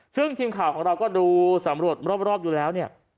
ซึ่งทีมข่าวของเราก็ดูสำรวจรอบอยู่แล้วเนี่ย